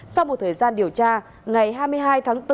sau một thời gian điều tra ngày hai mươi hai tháng bốn